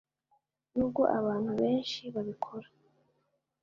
nubwo abantu benshi babikora;